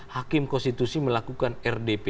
hakim konstitusi melakukan rdp